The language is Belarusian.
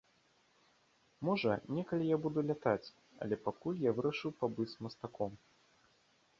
Можа, некалі я буду лятаць, але пакуль я вырашыў пабыць мастаком.